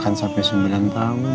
danak setelah mengalami segala hal